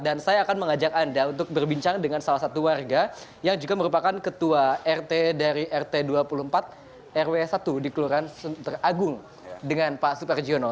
dan saya akan mengajak anda untuk berbincang dengan salah satu warga yang juga merupakan ketua rt dari rt dua puluh empat rw satu di kelurahan senter agung dengan pak super giono